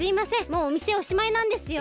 もうおみせおしまいなんですよ。